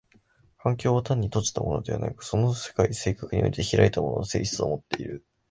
環境は単に閉じたものでなく、その世界性格において開いたものの性質をもっている。